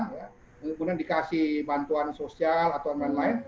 kemudian dikasih bantuan sosial atau lain lain